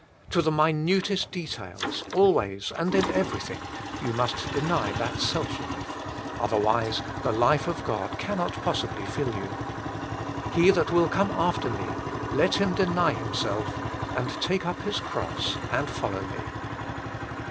To the minutest details, always and in everything, you must deny that self life ; otherwise the life of God cannot possibly fill you. He that will come after Me, let him deny himself, and take up his cross, and follow ME."